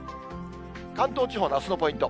関東地方のあすのポイント。